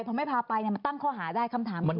พอไม่พาไปมันตั้งข้อหาได้คำถามคือ